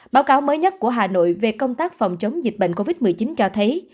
báo cáo mới nhất của hà nội về công tác phòng chống dịch bệnh covid một mươi chín cho thấy